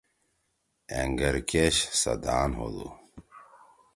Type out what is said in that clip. أنگر کیش سدھان ہودُو۔